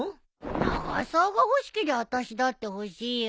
永沢が欲しけりゃ私だって欲しいよ。